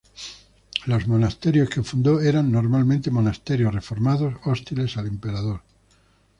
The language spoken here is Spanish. Los monasterios que fundó eran normalmente monasterios reformados hostiles al emperador.